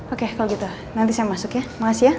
oke kalau gitu nanti saya masuk ya mas ya